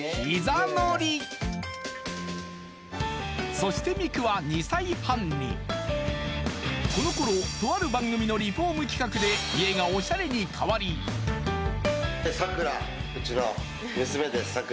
ミクそしてミクは２歳半にこの頃とある番組のリフォーム企画で家がおしゃれに変わりさくらうちの娘です